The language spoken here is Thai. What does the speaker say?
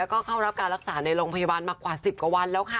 ก็เข้ารับรักษาลงพยาบาลมากว่า๑๐กว่าวันแล้วค่ะ